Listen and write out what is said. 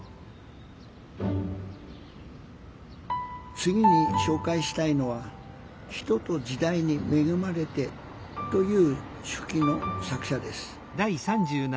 次に紹介したいのは「人と時代に恵まれて」という手記の作者です